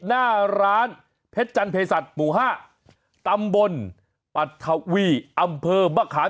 หน้าร้านเพชรจันเพศัตริย์หมู่๕ตำบลปัทวีอำเภอมะขาม